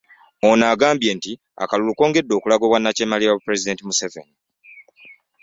Ono agambye nti akalulu kongedde okulaga obwannakyemalira bwa pulezidenti Museveni